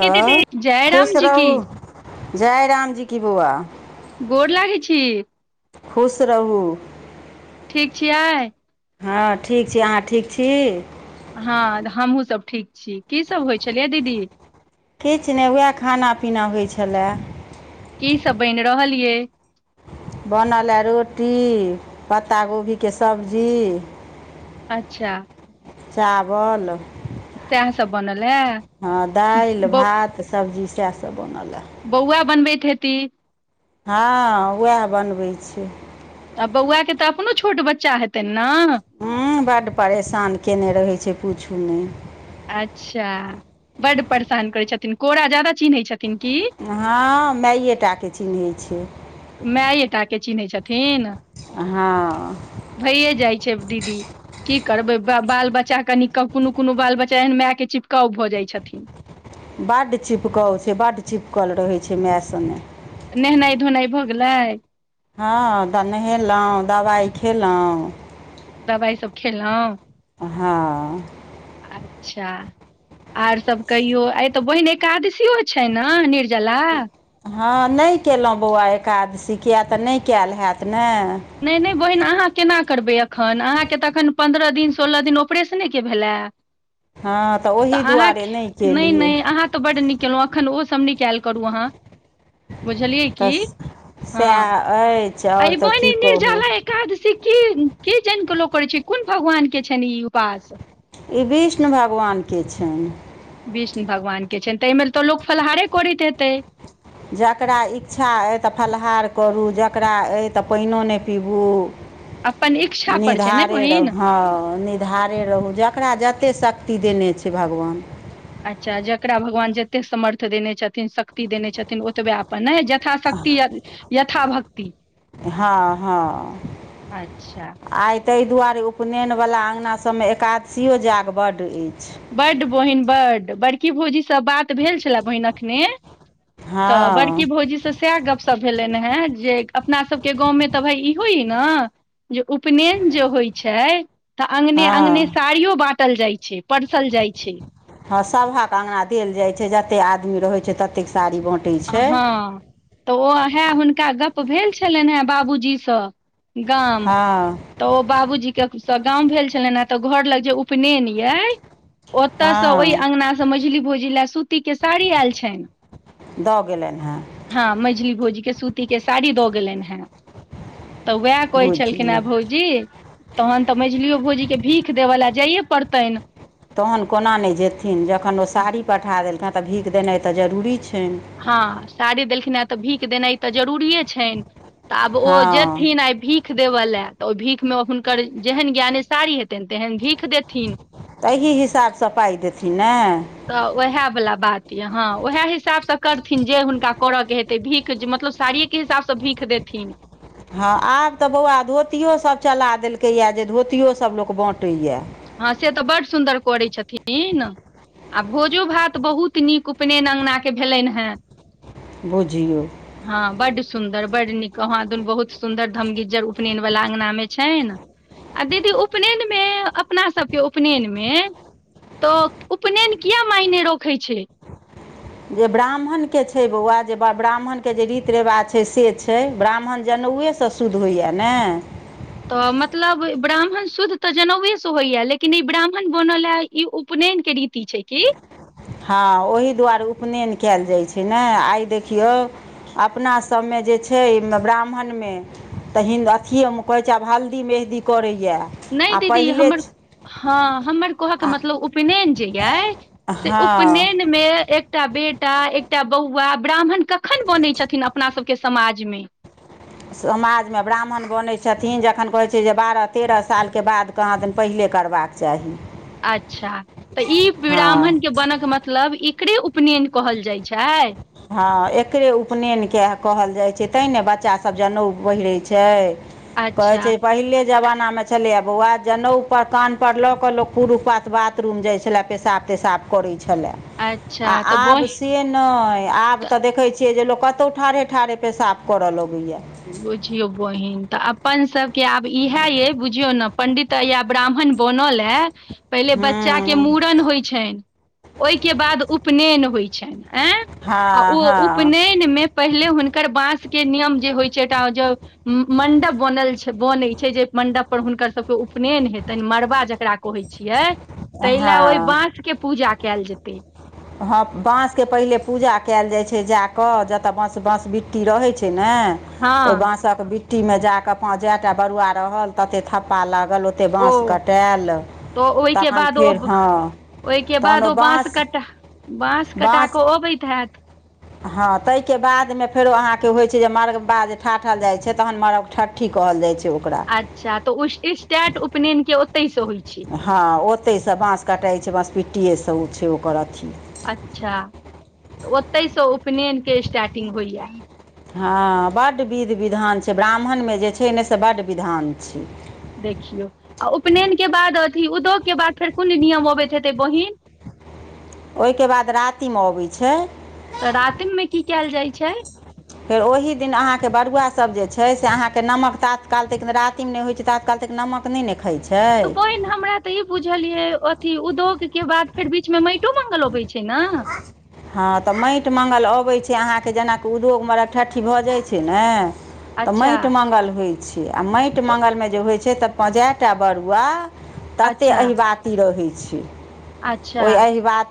की दीदी जय खुश राम जी की रहू जय रामजी की बौआ गोर लागै छी खुश रहू ठीक छियै हँ ठीक छि आहाँ ठीक छी हँ हमहूँ सब ठीक छी कीसब होइ छैलय यै दीदी किछ नय उहै खाना पीना होइ छेला की सब बयिन रहल ए बनल ए रोटी पत्ता गोभी के सबजी अच्छाह चावल सब बनल ए हँ दायिल बौ भात सब्जी स बौआ बनबैत हेती हँ उएह बनबैय छय आ बौआ के तऽ अपनो छोट बच्चा हेतै न हँ बड्ड परेशान केने रहैय छै पूछू नय अच्छा बड परेशान करै छथिन कोरा ज्यादा चिन्हैय छथिन की हां माइएटाके चिन्हैय छै माये टा के चिन्हैय छथिन हँ भइए जाइ छैय दीदी की करबै ब बाल बच्चा कनि कोनो कोनो बाल बच्चा एहन मायके चिपकाव भऽ जाइ छथिन बड चिपकाव छै बड चिपकल रहै छै मै संगे नहेनाइ धोनाइ भऽ गेलै हँ तऽ नहेलऊ दबाइ खयलऊ दबाइसब खेलऊ हँ अच्छह आर सब कहियो आए तऽ बहिन एकादशियो छै ने निर जला हँ नय केलऊ बौआ एकादशी किया तऽ नय कैल हैत ने नय नय बहिन अहाँ केना करबै एखन अहाँके तऽखन पन्द्रह दिन सोलह दिन ऑपरेशने के भेलेह हँ तऽ ओहि अहाँ दुआरे नहि केलियै नहि अहाँ तऽ बड नीक केलऊ अखन ओ सब नीक कैल करू अहाँ बुझलियै तऽ की हँ सएह अछि आओर आइ इ तऽ की बनै कहू निर्जाला एकादशी की की जाइन क लोक करै छै कोन भगवान के छैन ई उपास ई विष्णु भगवान के छैन विष्णु भगवान के छईन तऽ एहिमे तऽ लोक फलहारे करैत हेतै जकरा इच्छा अइ तऽ फलाहार करू जकरा अइ तऽ पानिओ नय पीबू अपन इच्छा पर छै ने निधारे रहू बहिन हँ निधारे रहू जकरा जतेक शक्ति ति देने छैय भगवान अच्छा जकरा भगवान जतेक सामर्थ देने छथिन शक्ति देने छथिन ओतबै अपन ने ज तथा शक्ति यथा भक्ति हँ हँ अच्छा आइ तय दुआरे उपनयनवला आगना सब मे एकादशियो जाग बड अइछ बड बहिन बड बड़की भोजीसँ बात भेल छलए बहिन एखने तऽ हँ बड़की भौजीसँ सएह गपशप भेलन हेँ जे अपना सबके गाँव मे तऽ भाय ई होय ई न जे उपनयन जे होइ छैय तऽ अगने अगने हँ साड़ियो बाँटल जाइ छैय ह सभहक अंगना देल जाय छैय जते आदमी रहे छैय तते साड़ी बाँटै छै हँ तऽ ओहे हुनका गप्प भेल छलेन हेँ बाबूजीसँ गाम हँ तऽ ओ बाबूजी तक स गाँव भेल छलनि तऽ घर लग जे उपनयन यए ओतसय ओय हँ अगना स मझली भोजी लए सूती के साड़ी आयल छैन दऽ गेलन हेँ हँ मेझली भोजीके सूतीके के साड़ी दऽ गेलन हेँ तऽ उएह कहै बुझि छलखिन गेलियै हँ भौजी तखन तऽ मझलिहो भोजीकेँ भीख देब ल जाइए पड़तनि तहन कोना नहि जेथिन जखन ओ साड़ी पठा देलकनि तऽ भीख देनाइ तऽ जरूरी छैय। हँ साड़ी देलखिन हेँ तऽ भीख देनाइ तऽ जरूरिए छैयन। तऽ आब ओ हँ जेथिन आ भी देबय लए तऽ ओहि भीखमे हुनकर जेहन ज्ञाने सारी हेतनि तेहन भीख देथिन। तऽह हिसाबसँ पाइ देथिन ने तऽ ओएह बला बात यऽ हँ ओएह हिसाबसँ करथिन जे हुनका करऽ के हेतै भीख मतलब साड़ियए के हिसाबसँ भीख देखख देथीन हँ आब तऽ बौआ धोतियोसभ चला देलकैए जे धोतियोसभ लोक बाँँटैए हँ से तऽ बड सुन्दर करै छथिन। भोजो भात बहुत नीक उपनयन अङ्गनाके भेलनि हेँ। बुझियौ हँ बड्ड सुन्दर बड्ड नीक कहाँदन बहुत सुन्दर धमगिज्जर उपनयन वला अंगना मे छैन आ दीदी उपनयंन मे अपना सबके उपनयन मे तऽ उपनयन किया मायने रखै छैय? जे ब्राह्मणके छैय बौआ जे ब्राह्मणके जे रीति रिवाज छैय से छैय ब्राह्मण जनेउ त ओएसँ शुद्ध होइए ने तऽ मतलब ब्राह्मण शुद्ध तऽ जनेउएसँ होइए लेकिन ई ब्राह्मण बनलए ई उपन न के रीति छैय की हँ ओही दुआरे उपनयन काईल जाइत छैय ने आइ देखियौ अपनासभमे जे छैय ब्राह्मणमे तऽ हि अथियए मे कहै छैय आब हल्दी मेहदी करै नहि दीदी हमर हँ हमर कहके मतलब उपनयन जे यए से हँ उपनयनमे एकटा बेटा एकटा बौआ ब्राह्मण कखन बनै छथिन अपना सबके समाज मे? [inaudible] समाजमे ब्राह्मण बनैत छथिन जखन कहैत छैय जे बारह तेरह सालके बाद कहाँ दिन पहिले करबाक चाही अच्छा तऽ ई ब्राह्मणके हँ बनक मतलब ई केकरे उपनयन कहल जाइ छै हँ एकरे उपनयनके कहल जाइत छै तैँ ने बच्चासभ जनेउ पहिरै छै कहै अच्छा छै पहिले जमानामे बुझलियै बौआ जनउ पर कान पर लऽ के लोक कुरुख पास बाथरूम जाय छलै पेशाब तेसाब करै छलैय छलै आ अच्छा तऽ आब बहि से नहि आब तऽ देखै छियै जे लोक कतौ ठारे ठारे पेशाब करऽ लगै बुझियौ बहिन तऽ अपन सभके आब इएह अइ बुझियौ ने पण्डित या ब्राह्मण बनले पहिले बच्चा के हँ मूड़न होइ छैन ओहिके बाद उपनयन होइ छैन एं हँ ओ हँ उपनयन मे पहिले हुनकर बांस के नियम जे होइ मंडप बनल छै बनै छै जे मंडप पर हुनकर सबके उपनयन हेतनि मड़बा जकरा कहै छियै ताहि ले ओहि हँ बास के पूजा कयल जेतै हँ बाँसके पहिले पूजा कयल जाइछै जाय जतय बंस बंस बिट्टी रहै छै ने हँ त बास के बिट्टी मे जाके प जेटा बरुआ रहल तते थप्पा लागल बलु ओते ओ बाँस कटायल तऽ ओहिके तखन बाद ओ फेर हँ ओहिके बाद ओ बाँस कटा बाँंस कटा बाँस क अबैत हेत हँ तैके बादमे फेरो अहाँके होइ जे मर्ग बा जे ठाठल जाइ छै तहन मरग ठ्ठी कहल जाइ छै ओकरा अच्छा तऽ उस्टीस्टैत उपनयन के ओतै हँ ओतई से बाँस कटैइ छै बाँस बीट्टिए से उ छै ओकर अथी अच्छा तऽ ओतई से उपनयनके स्टार्टिंग होइया हँ बड्ड विध विधान छै ब्राह्मणमे जे छै न से बड्ड विधान छै देखियौ आ उपनयन के बाद उदोग के बाद फेर कोन नियम अबैत हेतै बहिन ओईके बाद रातिम अबैइ छै तऽ रातिम में की कयल जाय छै फेर ओहि दिन अहाँके बरुआसब जे छैइ से अहाँके नमक तात्काल तेइके रातिम नई होइत छै तात्काल नमक नैय ना तऽ बहिन हमरा तऽ ई बुझलयै अथी उद्योग के बाद फेर बीचमे माटो मङंगल अबैइ छै ना हँ तऽ माटि मङ्गल अबैइ छै अहाँके जेनाकि उदोग मरबठठ्ठी भऽ जाइ छै ना तऽ अच्छा माटि मङ्ंगल होइ छैय आ माटि तऽ मङ्गलमे जे होइत छैय तऽ पं जै टा बरुआ तते अच्छा अहिबाती रहैइ छैय अच्छा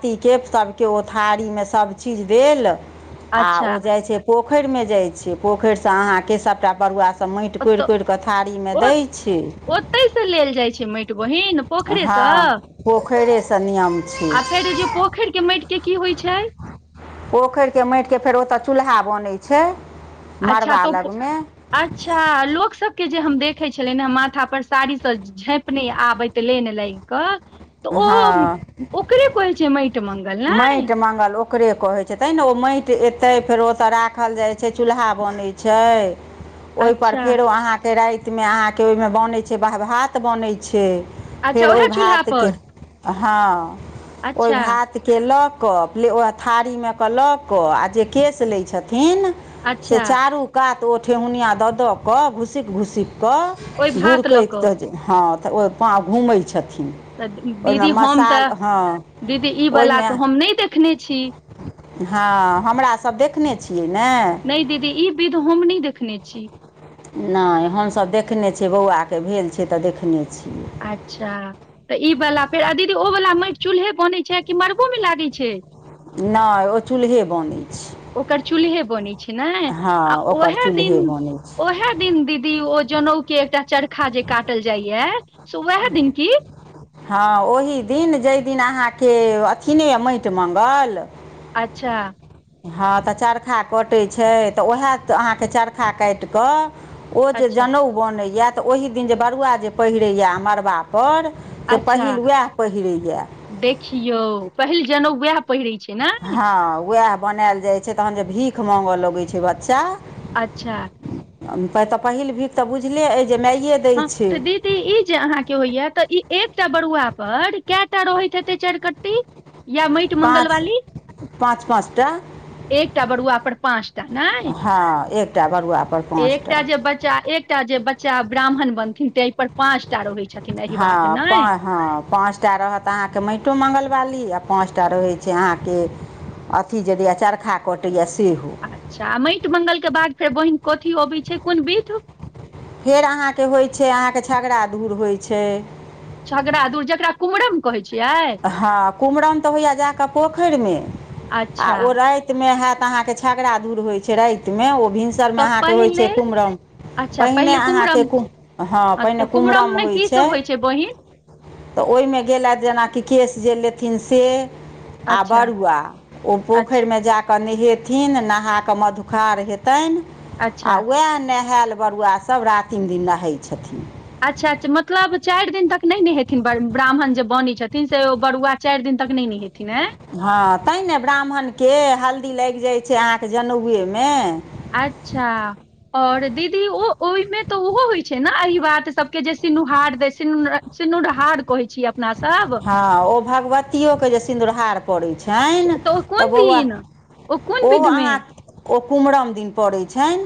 पीकेत सबके ओ थारी में सब चीज देल आ अच्छा ओ जाइ छैय पोखरि मे जाय छैइ पोखरि से अहाँ के सबटा बरुआ सभ माटि कोरि ओतऽ कोरिकऽ थारीमे दैय छै कै स लेल जाइ छै माटि बहिन हँ पोखरेसँ पोखरिसँ नियम छै आ फेर जे पोखरि के माटिके की होइ छै पोखरि के माटिके फेर ओतय चूल्हा बनैय छै अच्छा मड़बा तो लगमे अच्छा लोक सबके जे हम देखे छलिय ह माथा पर साड़ी से झंपने आबैइत लेन लागि कऽ तऽ ओ हँ ओकरे कहैइ छै मइ माटि मंगल ओकरे कहैइ छै तैं ने ओ माटि एतै फेरो ओतय राखल जाइ छै चूल्हा बनैय छै ओहिपर अच्छा फेरो अहाँके रातिमे अहाँके ओहिमे बनैैय छै ब भात बनै छै अच्छा फेर ओई उएह चूल्हा भात के पर हँ ओई अच्छा भातके ल क थारी म क लक जे केश लैय छथिन थिन से अच्छा चारू कात ओ ठेहुनिया दऽ दऽ कऽ घुसिक घुसिक ओहि कऽ भात लऽ कऽ गूरकैतऽ हँ तऽ ओहि पाँ घुमै छथिन तऽ ओहिमे दीदी हम मसाल तऽ हँ दीदी ईवला ओहिमे तऽ हम नैय देखने छी हँ हमरासब देखने छी नई दीदी ई विध हम नई देखने छी। नई हमसभ देखने छियै बौआके भेल छैई तऽ देखने छी। अच्छा तऽ ई वाला फेर दीदी ओ वला माटि चूल्हे बनैइ छैय कि मड़बो मे लागैइ छैय? नहि ओ चूल्हे बनै छै ओकर चूल्हे बनै छैय ना हँ आ ओकर उएह चूल्हे दिन बनै छै ओहे दिन दीदी ओ जनउ के एकटा चरखा जे काटल जाइया से उएह दिन की? हँअ् ओही दिन जई दिन अहाँके अथि नई अए माटि मङ्गल अच्छा हँ तऽ चरखा कटैइ छैय तऽ ओहे अहाँके चरखा काटि कऽ ओ जे अच्छा जनउ बनैए तऽ ओहि दिन जे बरुआ जे पहिरैए मड़बापर से अच्छा पहिल ओएह पहिरैए। देखियौ पहिल जनउ वएह पहिरै छै ने हँअ् ओएह बनायल जाइ छैय तहन जे भीख माँगय लगैइ छैय बच्चा अच्छा तऽ पहिल भीख तऽ बुझले अछि हँअ् तऽ दीदी ई जे अहाँके होइया तऽ ई एक कटा बरुआ पर कएटा रहैत हेतै चरि कट्टी? या मइट पाँच मंगलवाली पाँच पाँच टा एकटा बरुआ पर पाँचटा नहि हँ एकटा बरुआपर पाँच टा एकटा जे बच्चा एक एकटा जे बच्चा ब्राह्मण बनथिन तहि पर पाचटा रहै छथिन एहि बात हँ ने पाँ हँ पाँचटा रहत अहाँके मइटो मंगलवाली आ पाँचटा रहै छैय अहाँके अथि जे दियै चरखा कटैयै अच्छा मइट मंगल के बाद फेर बहिन कथी अबै छैय कोन बिध? फेर अहाँके होइ छैय अहाँके छगड़ादुर होइ छैय। छगड़ादूर जकरा कुमरम कहै छियै हँ कुमरम त होइए जा क पोखरिमे आ अच्छा ओ रातिमे हैत त अहाँके छगड़ा धूर होइत छैय रातिमे ओ भिनसरमे तऽ अहाँके होइ पहिले छैय कुमरम अच्छा पहिने पहिले अहाँके कुम्हरम कुम हँ तऽ पहिने कुम्हरम कुमरम मे होइ की सब छैय। छै बहिन त ओहिमे गेलै जेनाकि कि केश जे लेथिन से आ अच्छा बरुआ ओ अच्छा पोखरिमे जाक नेहे थिन नहा क मधुखार हेतनि आ अच्छा वैह हायल बरुआ सब रातिम दिन नहै छथिन अच्छा अच्छा मतलब चारि दिन तक नहि ने हेथिन बर ब्राह्मण जे बनी छथिन से बरुआ चारि दिन तक नहि नहेथिन ए हँ तैं न ब्राह्मणके हल्दी लागि जाइ छैय अहाँके जनेउएमे अच्छा ओर दीदी ओ ओहिमे त ओहो होइ छैय ने एहिबात सब के सिनुहार दै सिनुन सिनुरहा कहै छी हँ ओ भगवतियोके जे सिन्दूरहार पड़ै छनि तऽ ओ त कोन बौआ दिन ओ कोन ओहो विध मे अहाँ ओ कुम्हरम दिन पड़ै छनि।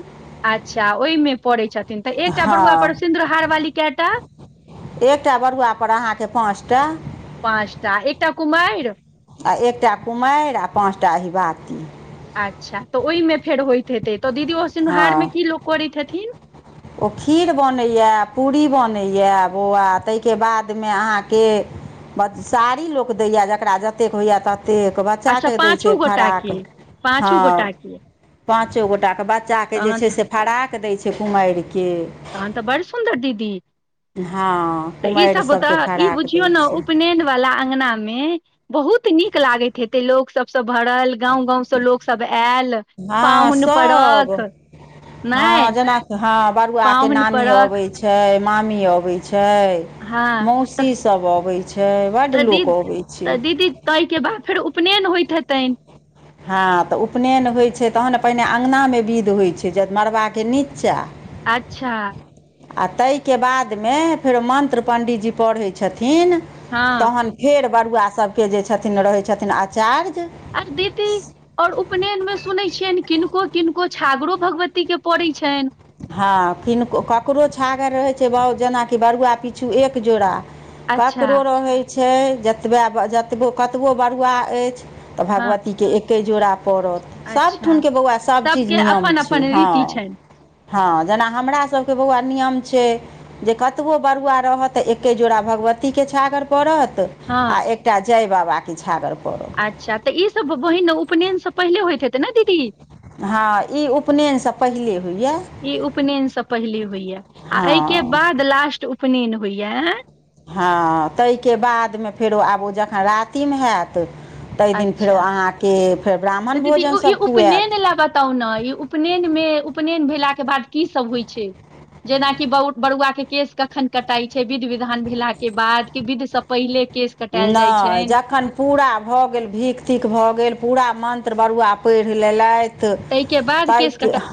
अच्छा ओहिमे पड़ै छथिन त एकटा बरुआ पड़ हँ सिन्दुरहार वाली कैटा एकटा बरुआपर अहाँके पाँच टा पाँचटा एकटा कुमारि आ एकटा कुमारि आ पाँचटा अहिबाती अच्छा त ओहिमे फेर होइत हेतै त दीदी ओ हँ सिनुहारमे की लोक करैत हेथिन ओ खीर बनैए पूरी बनैए बौआ तहिके बादमे अहाँके बत साड़ी लोक दैए जकरा जतेक होइए तत तेक अच्छा बच्चाके दै छैय पाँचो गोटा फराक के हँ पाँचो गोटा के पाँचो गोटाके बच्चाके जे तहन छैय तऽ से फराक दै छैय कुमारि तहन त बड़ सुन्दर दीदी हँ त कुमारि ईसभ ओत सभके ई फराक दै बुझियौ ने छै उपनेन वला अंगनामे बहुत नीक लागैत हेतैय लोक सबस भरल गाँव गाँव स लोक सब आयल हँ पाहुन सभ परख हँ नहि जेनाकि हँ बरुआके पाहुन नानी परख अबैय छै मामी अबै छ छै मौसी सब अबै छ त दी त दीदी तहिके बाद फेर उपनयन होइत हेतनि हँ त उपनयन होइ छै तहन पहिने अङगनामे विध होइ छै ज मड़बाके नीचा अच्छा आ ताहिके बादमे फेरो मन्त्र पण्डीजी पढ़ैत छथि थिन हँ तहन फेर बरुआ सबके जे छथिन रहै छथिन आचार्य आर दीदी और उप उपनयन में सुने छियनि किनको किनको छागरो भगवती के पड़े छनि हँ किनको ककरो छागर रहै छै बऊ जेनाकि बरुआ पिछू एक जोड़ा अच्छा ककरो रहै छै जतबै जतबो कतबो बरुआ अछि त हँ भगवतीके एके जोड़ा पड़त अच्छा सभठुनके बौआ सभचीज सबके नियम अपन छै अपन हँ रीति छनि हँ जेना हमरासबके बौआ नियम छै जे कतबो बरुआ रहत त एके जोड़ा भग वती के छागर पड़त आ हँ एकटा जय बाबा के छागर पड़त अच्छा तऽ ईसभ बहिन उपनयन सँ पहिले होइत हेतैय ने दीदी हँ ई उपनयन से पहिले होइया ई उपनयन से पहिले होइया आ एहिके हँ बाद लास्ट उपनयन होइया हँ ताई के बाद मे फेरो आब ओ जखन रातिमे हत तहि दिन फेरो अच्छा अहाँ के तऽ दीदी ई उपनयन ला बताउ ने ई उपनयन मे उपनयन भेला के बाद की सब होइ छै जेना की बरुआ के केश कखन कटाइ छै बिध विधान भेला के बाद कि बिध स पहिले केश कटायल जाइ नई छनि जखन पूरा भऽ गेल भीख तीख भऽ गेल पूरा मन्त्र बरुआ पढ़ि ले लइथ ताहिके बाद तहि केश कटाइ के